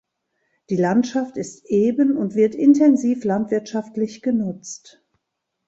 Die Landschaft ist eben und wird intensiv landwirtschaftlich genutzt.